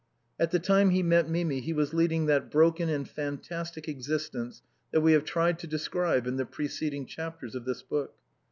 At the time he met Mimi he was leading that broken and fastastic existence that we have tried to describe in the preceding chapters of this book.